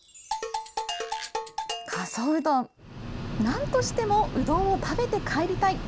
なんとしてもうどんを食べて帰りたい。